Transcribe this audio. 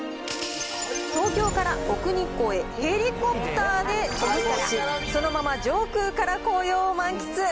東京から奥日光へヘリコプターで直行し、そのまま上空から紅葉を満喫。